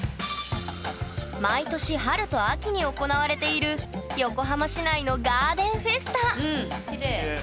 毎年春と秋に行われている横浜市内のガーデンフェスタ！